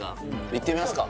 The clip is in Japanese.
いってみますか？